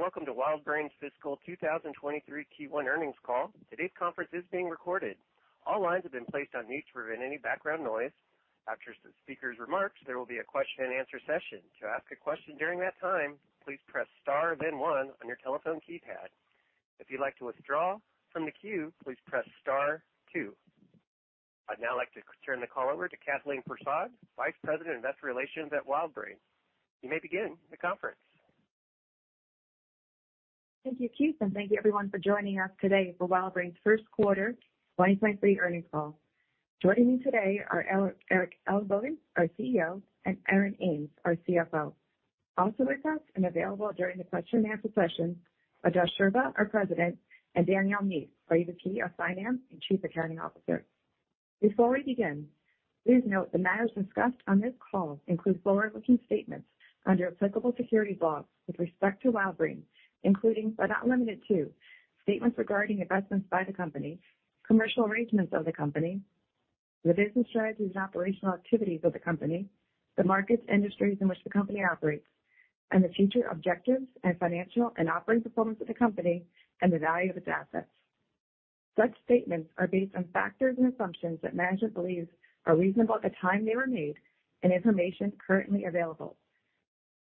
Hello, and welcome to WildBrain's Fiscal 2023 Q1 earnings call. Today's conference is being recorded. All lines have been placed on mute to prevent any background noise. After speakers' remarks, there will be a question-and-answer session. To ask a question during that time, please press star then one on your telephone keypad. If you'd like to withdraw from the queue, please press star two. I'd now like to turn the call over to Kathleen Persaud, Vice President of Investor Relations at WildBrain. You may begin the conference. Thank you, Keith, and thank you everyone for joining us today for WildBrain's first quarter 2023 earnings call. Joining me today are Eric Ellenbogen, our CEO, and Aaron Ames, our CFO. Also with us and available during the question-and-answer session, Josh Scherba, our president, and Danielle Neath, Vice President of Finance and Chief Accounting Officer. Before we begin, please note the matters discussed on this call include forward-looking statements under applicable securities laws with respect to WildBrain, including, but not limited to, statements regarding investments by the company, commercial arrangements of the company, the business strategies and operational activities of the company, the markets, industries in which the company operates, and the future objectives and financial and operating performance of the company, and the value of its assets. Such statements are based on factors and assumptions that management believes are reasonable at the time they were made and information currently available.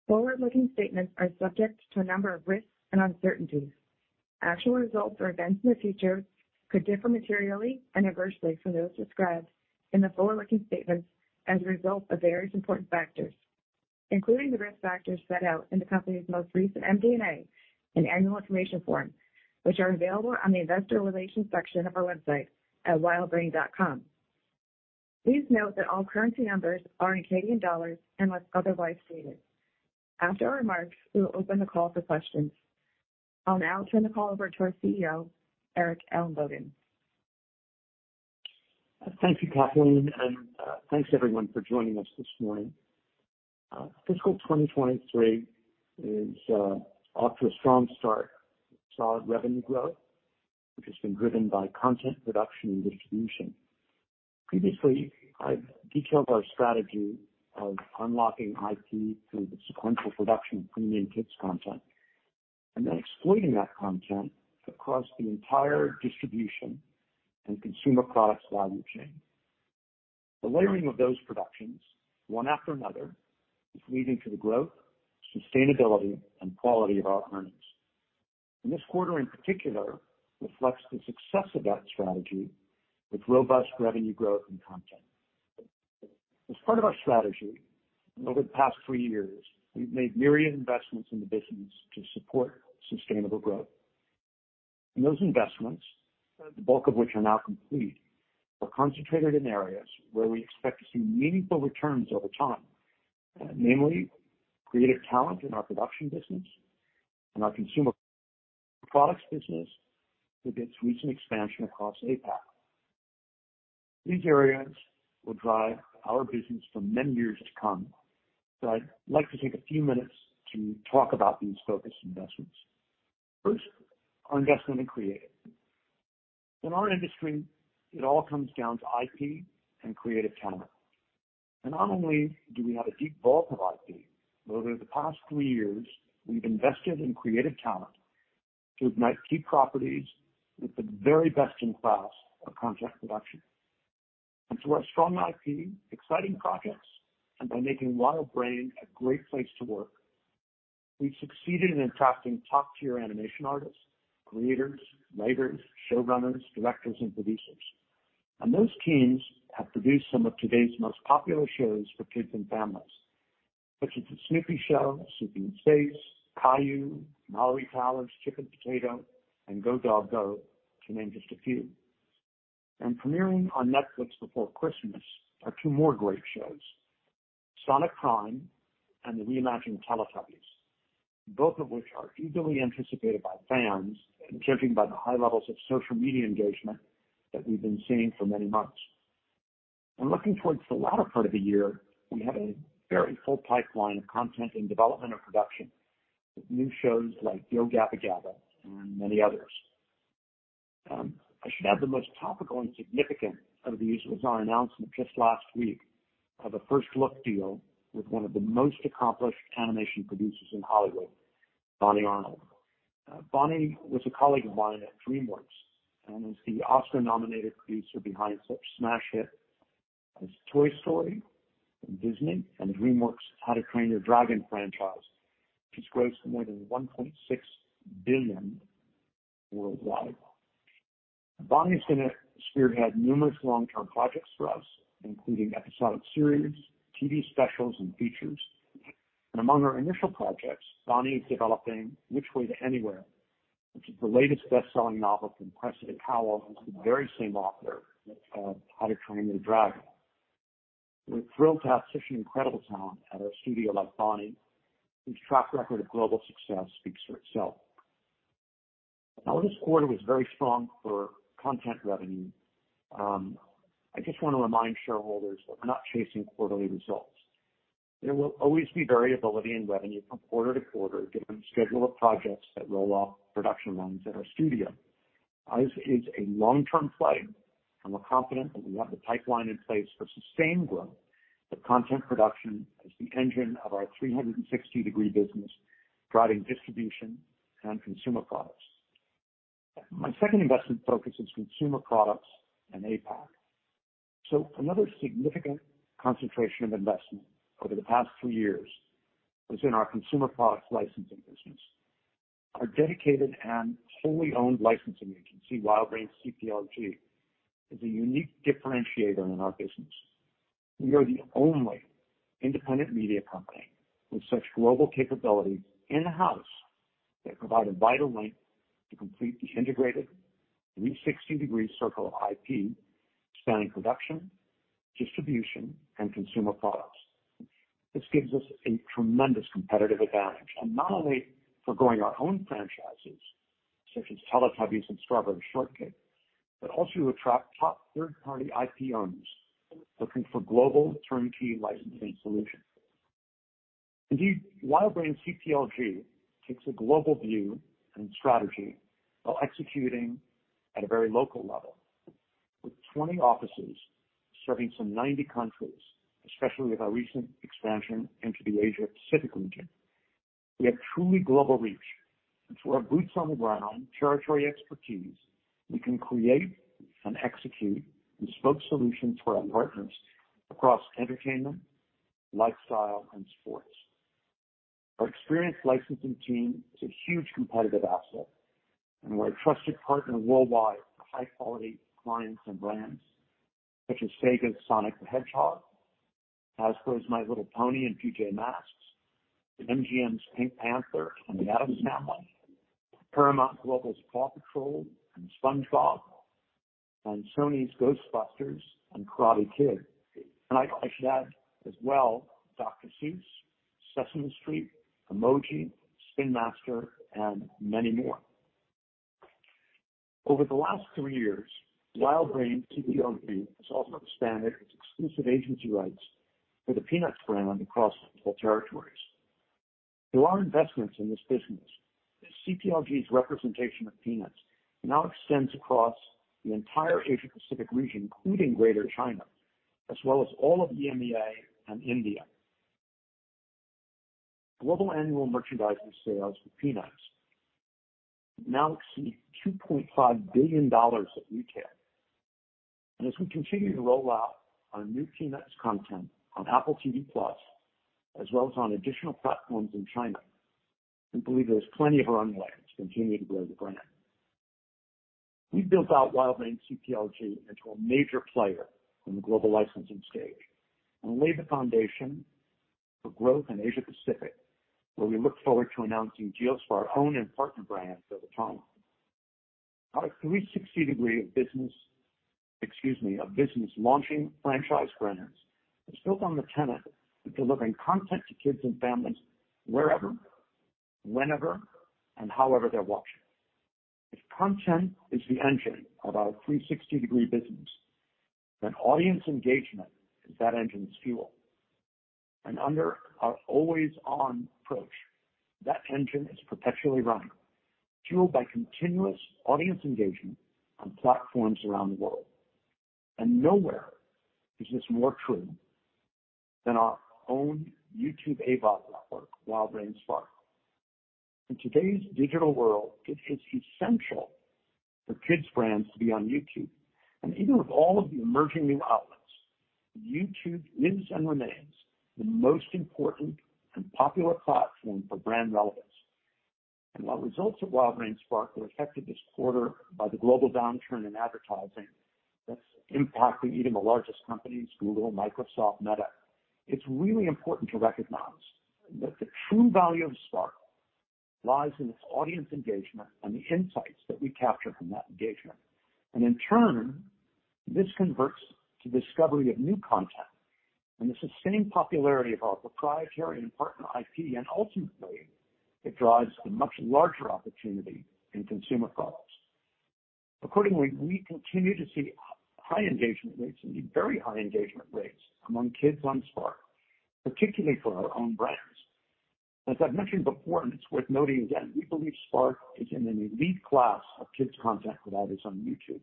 Forward-looking statements are subject to a number of risks and uncertainties. Actual results or events in the future could differ materially and adversely from those described in the forward-looking statements as a result of various important factors, including the risk factors set out in the company's most recent MD&A and annual information form, which are available on the investor relations section of our website at wildbrain.com. Please note that all currency numbers are in Canadian dollars unless otherwise stated. After our remarks, we will open the call for questions. I'll now turn the call over to our CEO, Eric Ellenbogen. Thank you, Kathleen, and thanks everyone for joining us this morning. Fiscal 2023 is off to a strong start with solid revenue growth, which has been driven by content production and distribution. Previously, I've detailed our strategy of unlocking IP through the sequential production of premium kids content, and then exploiting that content across the entire distribution and consumer products value chain. The layering of those productions, one after another, is leading to the growth, sustainability, and quality of our earnings. This quarter, in particular, reflects the success of that strategy with robust revenue growth and content. As part of our strategy, over the past three years, we've made myriad investments in the business to support sustainable growth. Those investments, the bulk of which are now complete, are concentrated in areas where we expect to see meaningful returns over time. Namely creative talent in our production business and our consumer products business with its recent expansion across APAC. These areas will drive our business for many years to come, so I'd like to take a few minutes to talk about these focused investments. First, our investment in creative. In our industry, it all comes down to IP and creative talent. Not only do we have a deep vault of IP, but over the past three years, we've invested in creative talent to ignite key properties with the very best in class of content production. Through our strong IP, exciting projects, and by making WildBrain a great place to work, we've succeeded in attracting top-tier animation artists, creators, writers, showrunners, directors and producers. Those teams have produced some of today's most popular shows for kids and families, such as The Snoopy Show, Snoopy in Space, Caillou, Molly of Denali, Chip and Potato, and Go, Dog, Go!, to name just a few. Premiering on Netflix before Christmas are two more great shows, Sonic Prime and the reimagined Teletubbies, both of which are eagerly anticipated by fans, and judging by the high levels of social media engagement that we've been seeing for many months. Looking towards the latter part of the year, we have a very full pipeline of content in development and production with new shows like Yo Gabba Gabba! and many others. I should add the most topical and significant of these was our announcement just last week of a first look deal with one of the most accomplished animation producers in Hollywood, Bonnie Arnold. Bonnie was a colleague of mine at DreamWorks and is the Oscar-nominated producer behind such smash hit as Toy Story from Disney and DreamWorks' How to Train Your Dragon franchise, which grossed more than $1.6 billion worldwide. Bonnie is gonna spearhead numerous long-term projects for us, including episodic series, TV specials, and features. Among our initial projects, Bonnie is developing Which Way to Anywhere, which is the latest best-selling novel from Cressida Cowell, who's the very same author of How to Train Your Dragon. We're thrilled to have such an incredible talent at our studio like Bonnie, whose track record of global success speaks for itself. Now, this quarter was very strong for content revenue. I just want to remind shareholders that we're not chasing quarterly results. There will always be variability in revenue from quarter to quarter given the schedule of projects that roll off production runs at our studio. This is a long-term play, and we're confident that we have the pipeline in place for sustained growth, with content production as the engine of our 360-degree business, driving distribution and consumer products. My second investment focus is consumer products and APAC. Another significant concentration of investment over the past three years was in our consumer products licensing business. Our dedicated and wholly owned licensing agency, WildBrain CPLG, is a unique differentiator in our business. We are the only independent media company with such global capabilities in-house that provide a vital link to complete the integrated 360-degree circle of IP, spanning production, distribution, and consumer products. This gives us a tremendous competitive advantage. Not only for growing our own franchises, such as Teletubbies and Strawberry Shortcake, but also to attract top third-party IP owners looking for global turnkey licensing solutions. Indeed, WildBrain CPLG takes a global view and strategy while executing at a very local level, with 20 offices serving some 90 countries, especially with our recent expansion into the Asia Pacific region. We have truly global reach. Through our boots on the ground territory expertise, we can create and execute bespoke solutions for our partners across entertainment, lifestyle, and sports. Our experienced licensing team is a huge competitive asset and we're a trusted partner worldwide for high quality clients and brands such as SEGA's Sonic the Hedgehog, Hasbro's My Little Pony and PJ Masks, and MGM's Pink Panther and The Addams Family, Paramount Global's Paw Patrol and SpongeBob, and Sony's Ghostbusters and Karate Kid. I should add as well Dr. Seuss, Sesame Street, Emoji, Spin Master, and many more. Over the last three years, WildBrain CPLG has also expanded its exclusive agency rights for the Peanuts brand across multiple territories. Through our investments in this business, CPLG's representation of Peanuts now extends across the entire Asia Pacific region, including Greater China, as well as all of EMEA and India. Global annual merchandising sales for Peanuts now exceed $2.5 billion at retail. As we continue to roll out our new Peanuts content on Apple TV+, as well as on additional platforms in China, we believe there is plenty of runway to continue to grow the brand. We've built out WildBrain CPLG into a major player in the global licensing stage and laid the foundation for growth in Asia Pacific, where we look forward to announcing deals for our own and partner brands over time. Our 360-degree business of launching franchise brands is built on the tenet of delivering content to kids and families wherever, whenever, and however they're watching. If content is the engine of our 360-degree business, then audience engagement is that engine's fuel. Under our always-on approach, that engine is perpetually running, fueled by continuous audience engagement on platforms around the world. Nowhere is this more true than our own YouTube AVOD platform, WildBrain Spark. In today's digital world, it is essential for kids brands to be on YouTube. Even with all of the emerging new outlets, YouTube lives and remains the most important and popular platform for brand relevance. While results at WildBrain Spark were affected this quarter by the global downturn in advertising that's impacting even the largest companies, Google, Microsoft, Meta, it's really important to recognize that the true value of Spark lies in its audience engagement and the insights that we capture from that engagement. In turn, this converts to discovery of new content and the sustaining popularity of our proprietary and partner IP. Ultimately, it drives a much larger opportunity in consumer products. Accordingly, we continue to see high engagement rates, I mean very high engagement rates among kids on Spark, particularly for our own brands. As I've mentioned before, and it's worth noting again, we believe Spark is in an elite class of kids content that lives on YouTube,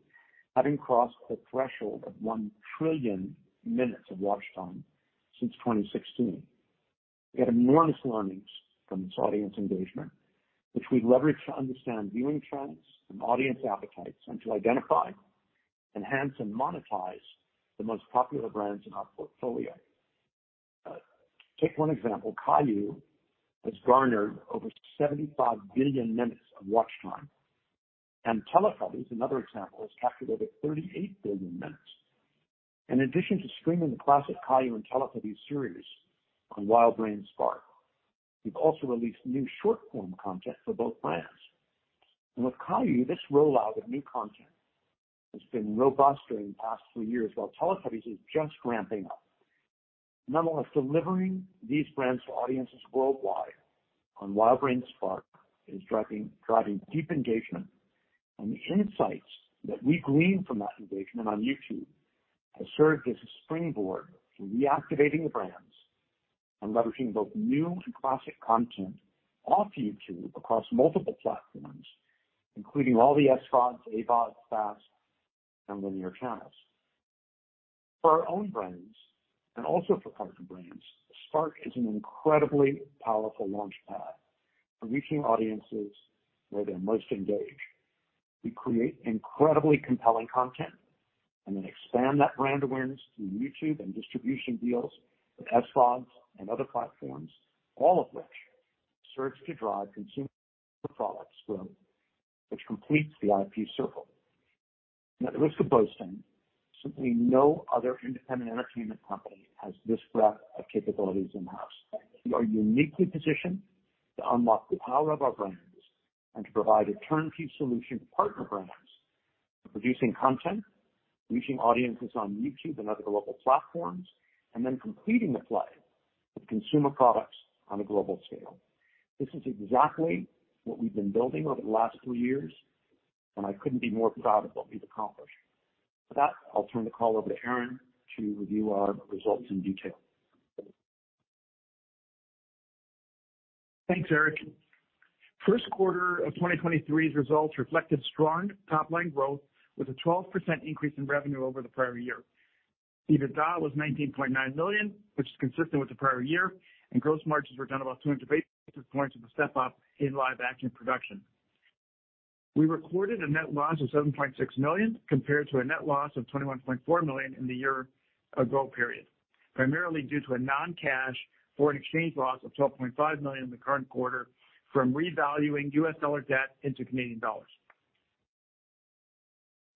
having crossed the threshold of 1 trillion minutes of watch time since 2016. We get enormous learnings from this audience engagement, which we leverage to understand viewing trends and audience appetites, and to identify, enhance, and monetize the most popular brands in our portfolio. Take one example. Caillou has garnered over 75 billion minutes of watch time. Teletubbies, another example, has captured over 38 billion minutes. In addition to streaming the classic Caillou and Teletubbies series on WildBrain Spark, we've also released new short form content for both brands. With Caillou, this rollout of new content has been robust during the past three years while Teletubbies is just ramping up. Nonetheless, delivering these brands to audiences worldwide on WildBrain Spark is driving deep engagement, and the insights that we glean from that engagement on YouTube has served as a springboard for reactivating the brands. Leveraging both new and classic content off YouTube across multiple platforms, including all the SVODs, AVODs, FAST, and linear channels. For our own brands, and also for partner brands, Spark is an incredibly powerful launchpad for reaching audiences where they're most engaged. We create incredibly compelling content and then expand that brand awareness through YouTube and distribution deals with SVODs and other platforms, all of which surge to drive consumer products growth, which completes the IP circle. At the risk of boasting, simply no other independent entertainment company has this breadth of capabilities in-house. We are uniquely positioned to unlock the power of our brands and to provide a turnkey solution to partner brands for producing content, reaching audiences on YouTube and other global platforms, and then completing the play with consumer products on a global scale. This is exactly what we've been building over the last three years, and I couldn't be more proud of what we've accomplished. With that, I'll turn the call over to Aaron to review our results in detail. Thanks, Eric. First quarter of 2023's results reflected strong top-line growth with a 12% increase in revenue over the prior year. EBITDA was 19.9 million, which is consistent with the prior year, and gross margins were down about 200 basis points with a step up in live action production. We recorded a net loss of 7.6 million compared to a net loss of 21.4 million in the year ago period, primarily due to a non-cash foreign exchange loss of 12.5 million in the current quarter from revaluing U.S. dollar debt into Canadian dollars.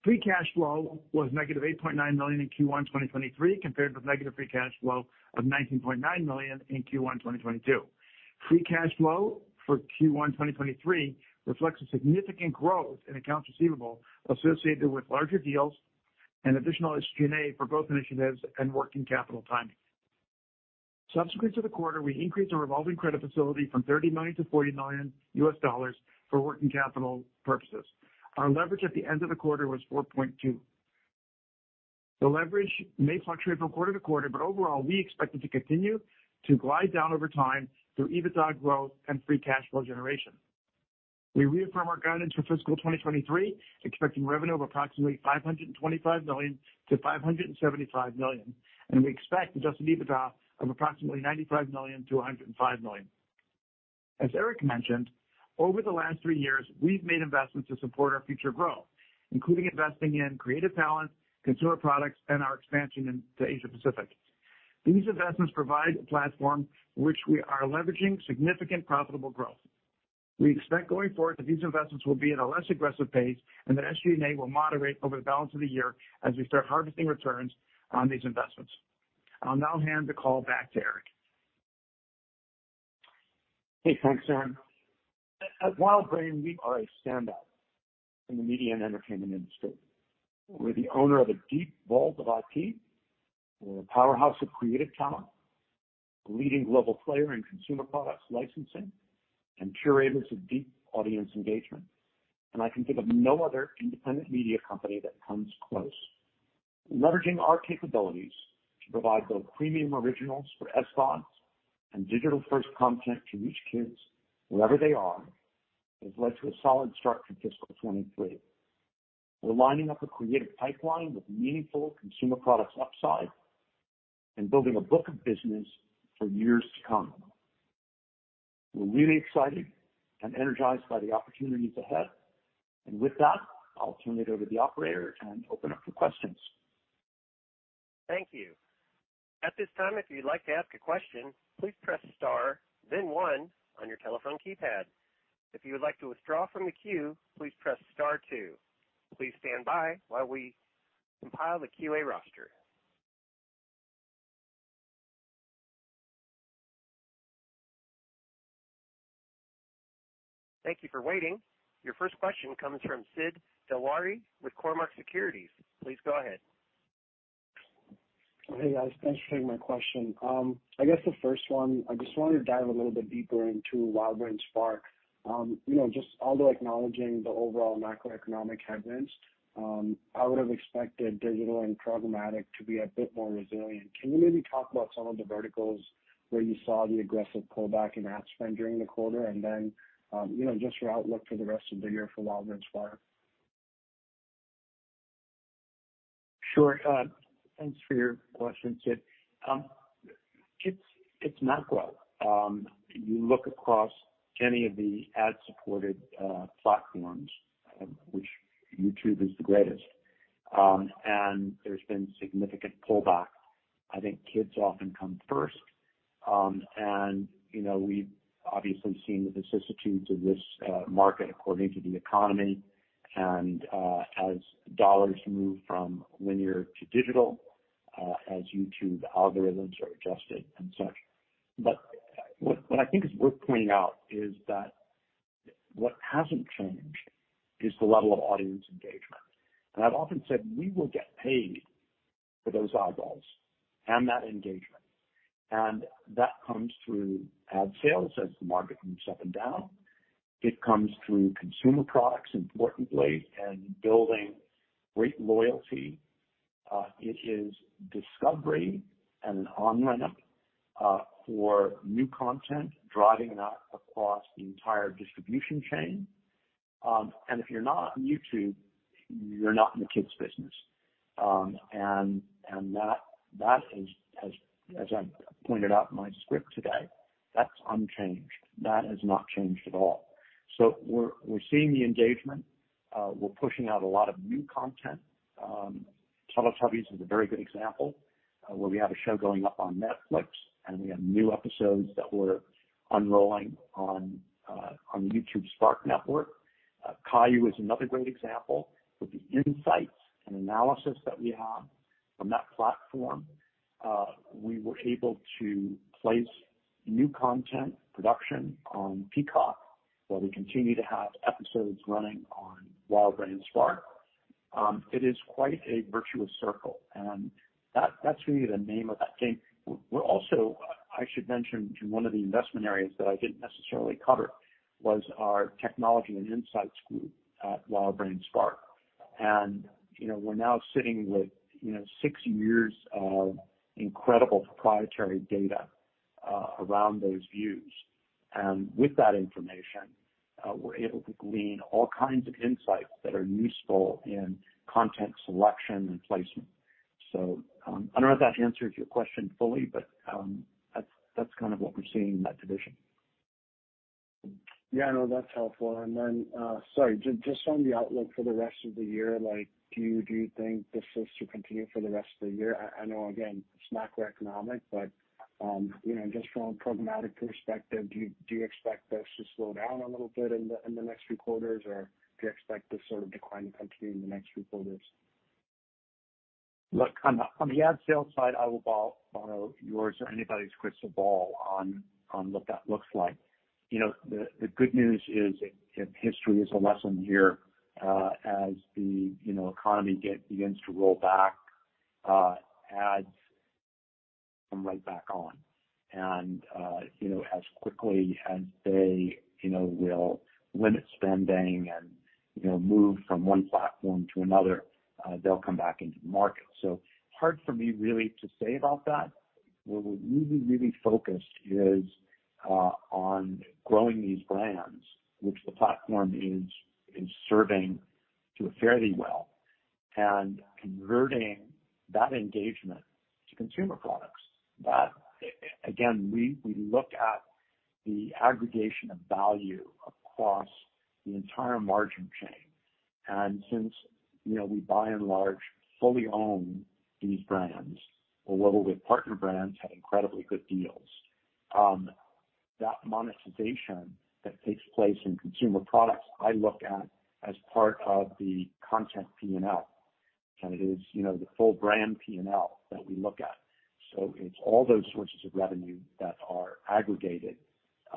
Free cash flow was negative 8.9 million in Q1 2023, compared with negative free cash flow of 19.9 million in Q1 2022. Free cash flow for Q1 2023 reflects a significant growth in accounts receivable associated with larger deals and additional SG&A for both initiatives and working capital timing. Subsequent to the quarter, we increased our revolving credit facility from $30 million-$40 million for working capital purposes. Our leverage at the end of the quarter was 4.2. The leverage may fluctuate from quarter-to-quarter, but overall, we expect it to continue to glide down over time through EBITDA growth and free cash flow generation. We reaffirm our guidance for fiscal 2023, expecting revenue of approximately 525 million-575 million, and we expect Adjusted EBITDA of approximately 95 million-105 million. As Eric mentioned, over the last three years, we've made investments to support our future growth, including investing in creative talent, consumer products, and our expansion into Asia Pacific. These investments provide a platform which we are leveraging significant profitable growth. We expect going forward that these investments will be at a less aggressive pace, and that SG&A will moderate over the balance of the year as we start harvesting returns on these investments. I'll now hand the call back to Eric. Hey. Thanks, Aaron. At WildBrain, we are a standout in the media and entertainment industry. We're the owner of a deep vault of IP. We're a powerhouse of creative talent, a leading global player in consumer products licensing, and curators of deep audience engagement, and I can think of no other independent media company that comes close. Leveraging our capabilities to provide both premium originals for SVODs and digital-first content to reach kids wherever they are, has led to a solid start for fiscal 2023. We're lining up a creative pipeline with meaningful consumer products upside and building a book of business for years to come. We're really excited and energized by the opportunities ahead. With that, I'll turn it over to the operator and open up for questions. Thank you. At this time, if you'd like to ask a question, please press star then one on your telephone keypad. If you would like to withdraw from the queue, please press star two. Please stand by while we compile the QA roster. Thank you for waiting. Your first question comes from Sid Dilawari with Cormark Securities. Please go ahead. Hey, guys. Thanks for taking my question. I guess the first one, I just wanted to dive a little bit deeper into WildBrain Spark. You know, just although acknowledging the overall macroeconomic headwinds, I would have expected digital and programmatic to be a bit more resilient. Can you maybe talk about some of the verticals where you saw the aggressive pullback in ad spend during the quarter? You know, just your outlook for the rest of the year for WildBrain Spark? Sure. Thanks for your question, Sid. It's macro. You look across any of the ad-supported platforms, which YouTube is the greatest, and there's been significant pullback. I think kids often come first. You know, we've obviously seen the vicissitudes of this market according to the economy and as dollars move from linear to digital, as YouTube algorithms are adjusted and such. What I think is worth pointing out is that what hasn't changed is the level of audience engagement. I've often said we will get paid for those eyeballs and that engagement, and that comes through ad sales as the market moves up and down. It comes through consumer products, importantly, and building great loyalty. It is discovery and an on-ramp for new content driving that across the entire distribution chain. If you're not on YouTube, you're not in the kids business. That is, as I pointed out in my script today, that's unchanged. That has not changed at all. We're seeing the engagement. We're pushing out a lot of new content. Teletubbies is a very good example, where we have a show going up on Netflix, and we have new episodes that we're unrolling on the WildBrain Spark network. Caillou is another great example. With the insights and analysis that we have from that platform, we were able to place new content production on Peacock, while we continue to have episodes running on WildBrain Spark. It is quite a virtuous circle, and that's really the name of that game. We're also. I should mention, Jim, one of the investment areas that I didn't necessarily cover was our technology and insights group at WildBrain Spark. You know, we're now sitting with, you know, six years of incredible proprietary data around those views. With that information, we're able to glean all kinds of insights that are useful in content selection and placement. I don't know if that answers your question fully, but that's kind of what we're seeing in that division. Yeah, no, that's helpful. Then, sorry, just on the outlook for the rest of the year, like, do you think this is to continue for the rest of the year? I know again, it's macroeconomic, but, you know, just from a programmatic perspective, do you expect this to slow down a little bit in the next few quarters, or do you expect this sort of decline to continue in the next few quarters? Look, on the ad sales side, I will borrow yours or anybody's crystal ball on what that looks like. You know, the good news is if history is a lesson here, as the, you know, economy begins to roll back, ads come right back on. You know, as quickly as they, you know, will limit spending and, you know, move from one platform to another, they'll come back into the market. Hard for me really to say about that. Where we're really focused is on growing these brands, which the platform is serving us fairly well, and converting that engagement to consumer products. That, again, we look at the aggregation of value across the entire value chain. Since, you know, we by and large fully own these brands or, where with partner brands, have incredibly good deals, that monetization that takes place in consumer products, I look at as part of the content P&L. It is, you know, the full brand P&L that we look at. It's all those sources of revenue that are aggregated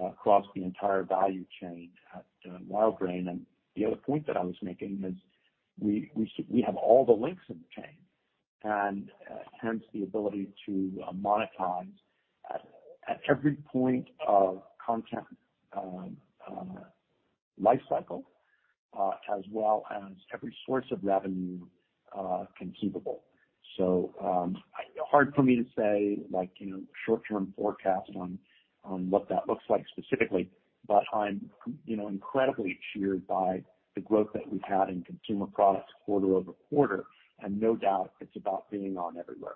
across the entire value chain at WildBrain. The other point that I was making is we have all the links in the chain and hence the ability to monetize at every point of content life cycle as well as every source of revenue conceivable. Hard for me to say like, you know, short-term forecast on what that looks like specifically, but I'm, you know, incredibly cheered by the growth that we've had in consumer products quarter-over-quarter, and no doubt it's about being on everywhere.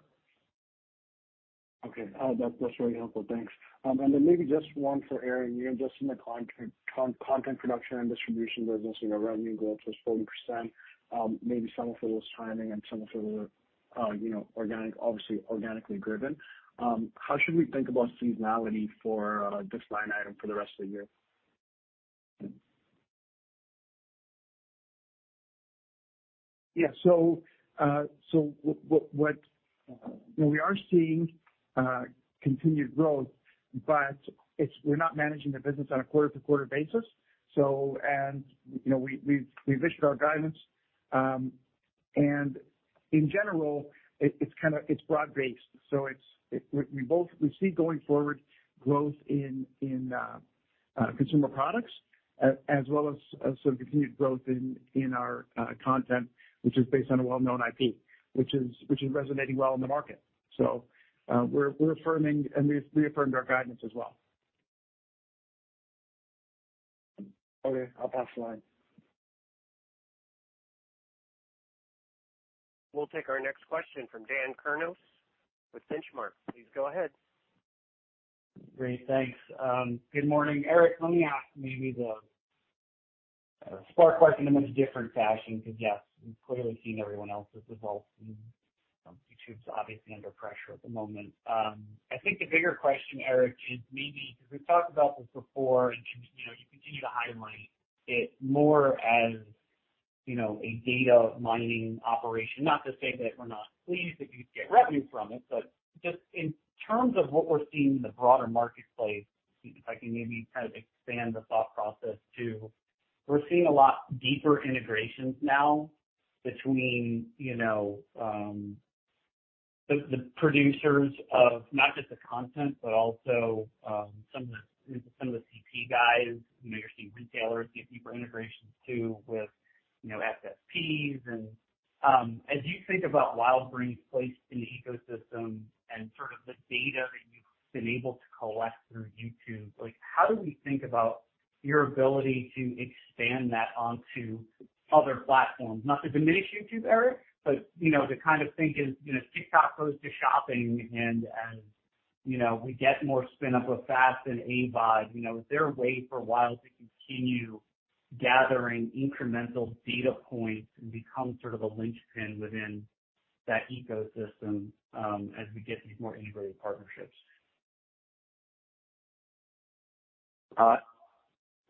Okay. That's very helpful. Thanks. Maybe just one for Aaron. You know, just in the content production and distribution business, you know, revenue growth was 40%, maybe some of it was timing and some of it was, you know, organically driven. How should we think about seasonality for this line item for the rest of the year? Yeah. You know, we are seeing continued growth, but we're not managing the business on a quarter-to-quarter basis. You know, we've issued our guidance. In general, it's kinda broad-based, so we see going forward growth in consumer products as well as sort of continued growth in our content, which is based on a well-known IP, which is resonating well in the market. We're affirming and we've reaffirmed our guidance as well. Okay. I'll pass the line. We'll take our next question from Dan Kurnos with Benchmark. Please go ahead. Great. Thanks. Good morning. Eric, let me ask maybe the Spark question in a much different fashion because, yes, we've clearly seen everyone else's results and, YouTube's obviously under pressure at the moment. I think the bigger question, Eric, is maybe, because we've talked about this before and, you know, you continue to highlight it more as, you know, a data mining operation. Not to say that we're not pleased that you get revenue from it, but just in terms of what we're seeing in the broader marketplace, if I can maybe kind of expand the thought process to we're seeing a lot deeper integrations now between, you know, the producers of not just the content, but also, some of the CP guys, you know, you're seeing retailers get deeper integrations too with, you know, SSPs. As you think about WildBrain's place in the ecosystem and sort of the data that you've been able to collect through YouTube, like how do we think about your ability to expand that onto other platforms? Not to diminish YouTube, Eric, but, you know, to kind of think as, you know, TikTok goes to shopping and, you know, we get more spin up with FAST and AVOD, you know, is there a way for Wild to continue gathering incremental data points and become sort of a linchpin within that ecosystem, as we get these more integrated partnerships?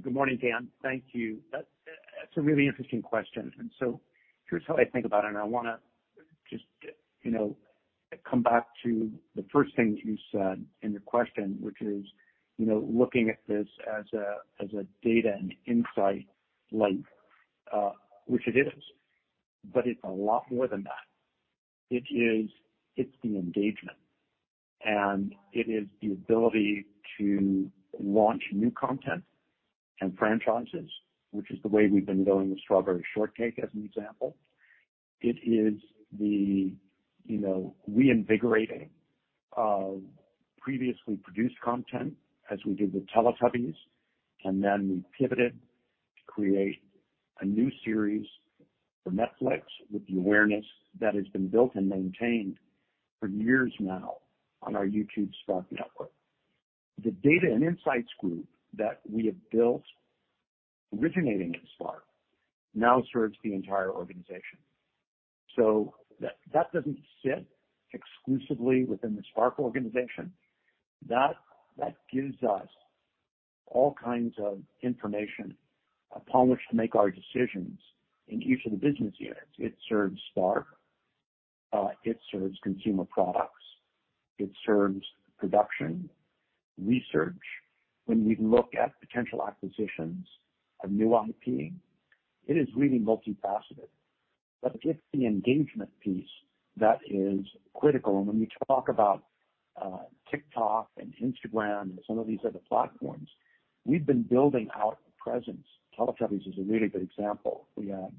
Good morning, Dan. Thank you. That's a really interesting question. Here's how I think about it, and I wanna just, you know, come back to the first thing that you said in your question, which is, you know, looking at this as a, as a data and insight lens, which it is, but it's a lot more than that. It is the engagement, and it is the ability to launch new content and franchises, which is the way we've been going with Strawberry Shortcake as an example. It is the, you know, reinvigorating of previously produced content as we did with Teletubbies, and then we pivoted to create a new series for Netflix with the awareness that has been built and maintained for years now on our WildBrain Spark network. The data and insights group that we have built originating in Spark now serves the entire organization. That doesn't sit exclusively within the Spark organization. That gives us all kinds of information upon which to make our decisions in each of the business units. It serves Spark, it serves consumer products, it serves production, research. When we look at potential acquisitions of new IP, it is really multifaceted. It's the engagement piece that is critical. When we talk about TikTok and Instagram and some of these other platforms, we've been building out presence. Teletubbies is a really good example. We have,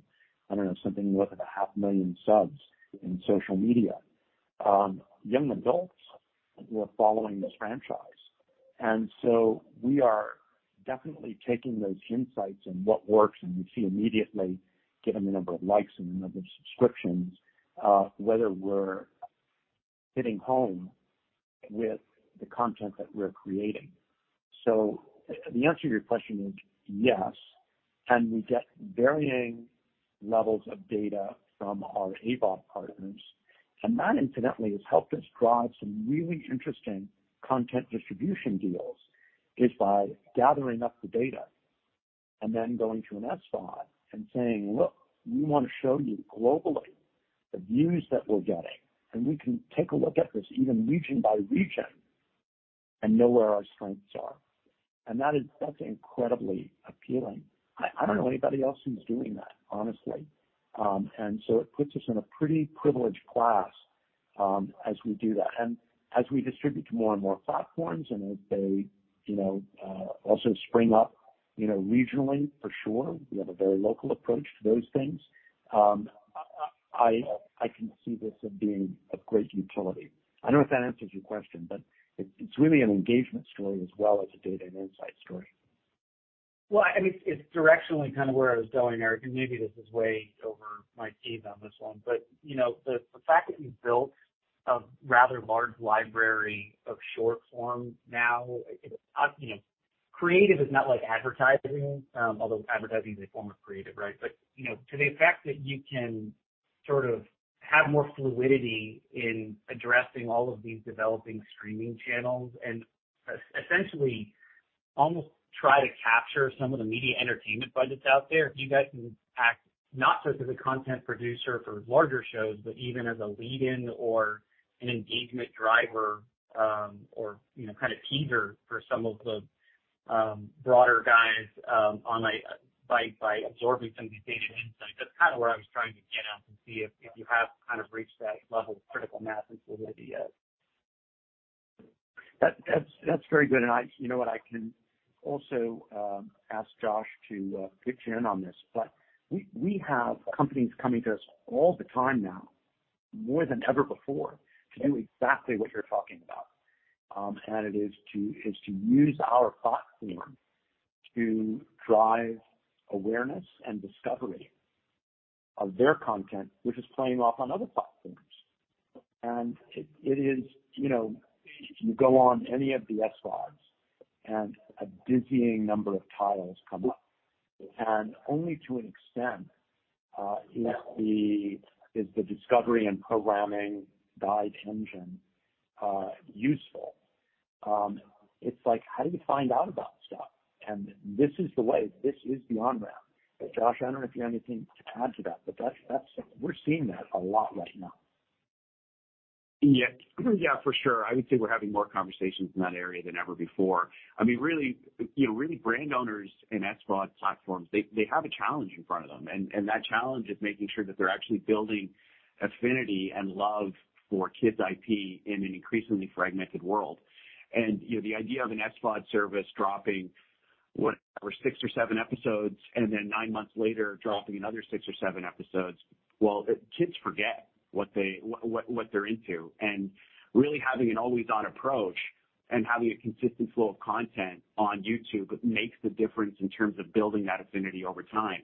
I don't know, something north of 500,000 subs in social media. Young adults were following this franchise. We are definitely taking those insights and what works, and we see immediately, given the number of likes and the number of subscriptions, whether we're hitting home with the content that we're creating. The answer to your question is yes, and we get varying levels of data from our AVOD partners. That incidentally has helped us drive some really interesting content distribution deals, is by gathering up the data and then going to an SVOD and saying, "Look, we wanna show you globally the views that we're getting, and we can take a look at this even region by region and know where our strengths are." That is incredibly appealing. I don't know anybody else who's doing that, honestly. It puts us in a pretty privileged class, as we do that. As we distribute to more and more platforms and as they, you know, also spring up, you know, regionally for sure, we have a very local approach to those things, I can see this as being of great utility. I don't know if that answers your question, but it's really an engagement story as well as a data and insight story. Well, I mean, it's directionally kind of where I was going, Eric, and maybe this is way over my head on this one, but you know, the fact that you've built a rather large library of short-form. No, you know, creative is not like advertising, although advertising is a form of creative, right? You know, to the effect that you can sort of have more fluidity in addressing all of these developing streaming channels and essentially almost try to capture some of the media entertainment budgets out there, if you guys can act not only as a content producer for larger shows, but even as a lead-in or an engagement driver, or you know, kind of teaser for some of the broader guys by absorbing some of these data insights. That's kind of where I was trying to get at and see if you have kind of reached that level of critical mass in some of the- That's very good. You know what, I can also ask Josh to pitch in on this. We have companies coming to us all the time now, more than ever before, to do exactly what you're talking about. It's to use our platform to drive awareness and discovery of their content, which is playing off on other platforms. You know, you go on any of the SVODs and a dizzying number of titles come up. Only to an extent is the discovery and programming guide engine useful. It's like, how do you find out about stuff? This is the on-ramp. Josh, I don't know if you have anything to add to that, but that's, we're seeing that a lot right now. Yeah, for sure. I would say we're having more conversations in that area than ever before. I mean, really, you know, really brand owners and SVOD platforms, they have a challenge in front of them. That challenge is making sure that they're actually building affinity and love for kids IP in an increasingly fragmented world. You know, the idea of an SVOD service dropping whatever, six or seven episodes, and then nine months later dropping another six or seven episodes, well, kids forget what they're into. Really having an always-on approach and having a consistent flow of content on YouTube makes the difference in terms of building that affinity over time.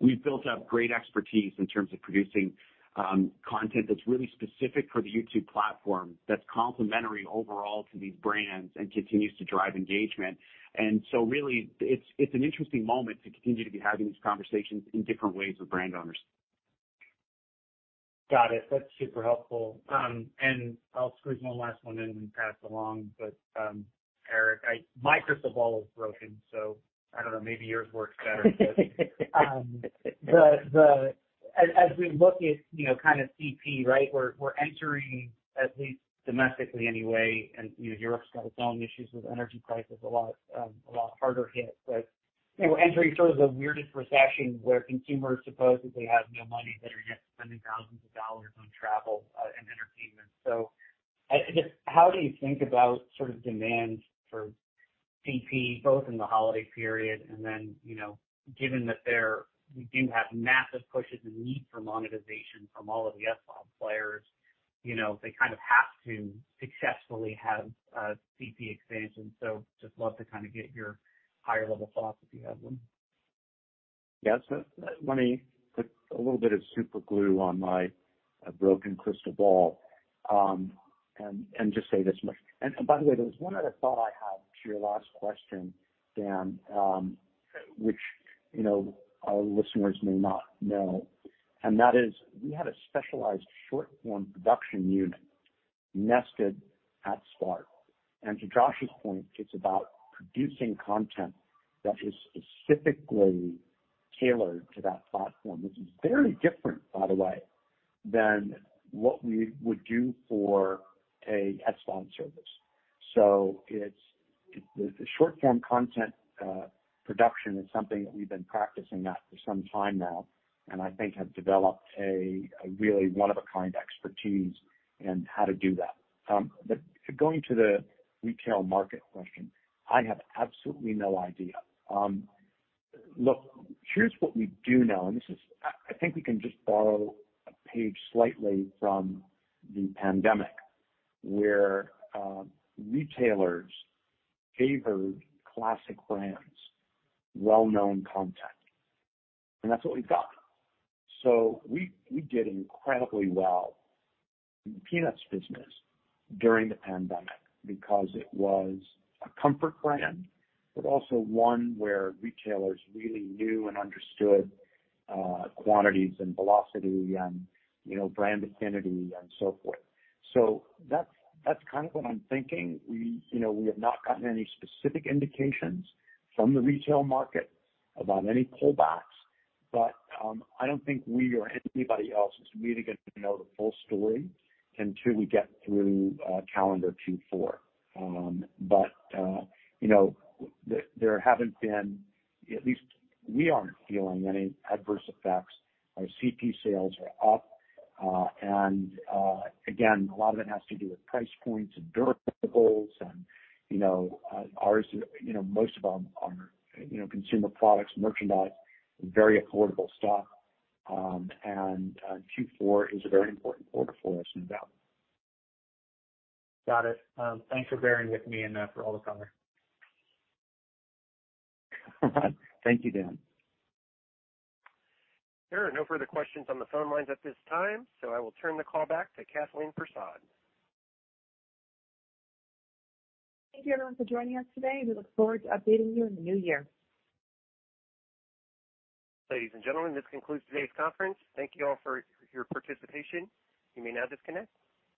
We've built up great expertise in terms of producing content that's really specific for the YouTube platform, that's complementary overall to these brands and continues to drive engagement. Really, it's an interesting moment to continue to be having these conversations in different ways with brand owners. Got it. That's super helpful. I'll squeeze one last one in and then pass along. Eric, my crystal ball is broken, so I don't know, maybe yours works better. As we look at, you know, kind of CP, right? We're entering at least domestically anyway, and you know, Europe's got its own issues with energy prices, a lot harder hit. You know, we're entering sort of the weirdest recession where consumers supposedly have no money, but are yet spending thousands of dollars on travel and entertainment. How do you think about sort of demand for CP, both in the holiday period and then, you know, given that there we do have massive pushes and need for monetization from all of the SVOD players. You know, they kind of have to successfully have a CP expansion. I'd just love to kind of get your higher level thoughts if you have them. Yes. Let me put a little bit of super glue on my broken crystal ball, and just say this much. By the way, there's one other thought I have to your last question, Dan, which, you know, our listeners may not know, and that is we had a specialized short form production unit nested at Spark. To Josh's point, it's about producing content that is specifically tailored to that platform, which is very different, by the way, than what we would do for a SVOD service. It's the short form content production is something that we've been practicing that for some time now, and I think have developed a really one of a kind expertise in how to do that. Going to the retail market question, I have absolutely no idea. Look, here's what we do know. I think we can just borrow a page slightly from the pandemic, where retailers favored classic brands, well-known content, and that's what we've got. We did incredibly well in the Peanuts business during the pandemic because it was a comfort brand, but also one where retailers really knew and understood quantities and velocity and, you know, brand affinity and so forth. That's kind of what I'm thinking. We, you know, have not gotten any specific indications from the retail market about any pullbacks. I don't think we or anybody else is really going to know the full story until we get through calendar Q4. You know, there haven't been at least we aren't feeling any adverse effects. Our CP sales are up. Again, a lot of it has to do with price points and durables and, you know, ours, you know, most of them are, you know, consumer products, merchandise, very affordable stuff. Q4 is a very important quarter for us, no doubt. Got it. Thanks for bearing with me and for all the color. Thank you, Dan. There are no further questions on the phone lines at this time, so I will turn the call back to Kathleen Persaud. Thank you everyone for joining us today, and we look forward to updating you in the new year. Ladies and gentlemen, this concludes today's conference. Thank you all for your participation. You may now disconnect.